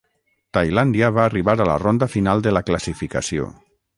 Tailàndia va arribar a la ronda final de la classificació.